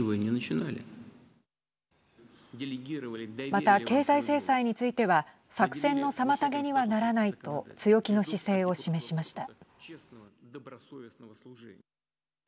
また、経済制裁については作戦の妨げにはならないと強気の姿勢を示しました。